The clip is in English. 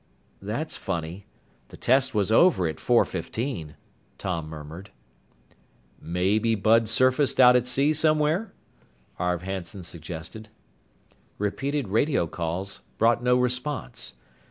"That's funny. The test was over at four fifteen," Tom murmured. "Maybe Bud surfaced out at sea somewhere," Arv Hanson suggested. Repeated radio calls brought no response.